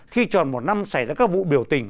khi tròn một năm xảy ra các vụ biểu tình